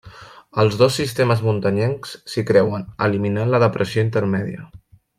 Els dos sistemes muntanyencs s'hi creuen, eliminant la depressió intermèdia.